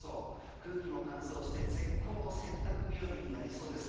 空気も乾燥して絶好の洗濯日和になりそうです。